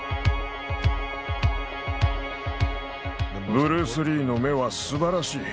ブルース・リーの目はすばらしい。